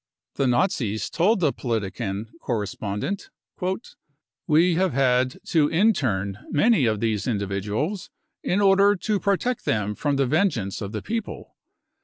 The Nazis told the Politiken correspondent :" We have had to intern many of these individuals in order to protect them from the venge ance of the people.